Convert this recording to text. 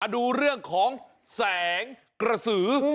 ดูเรื่องของแสงกระสือ